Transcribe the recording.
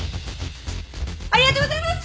ありがとうございます！